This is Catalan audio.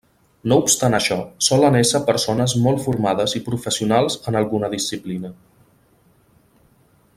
No obstant això, solen ésser persones molt formades i professionals en alguna disciplina.